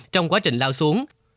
trong quá trình lao xuống